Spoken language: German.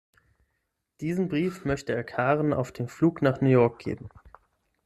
Diesen Brief möchte er Karen auf dem Flug nach New York geben.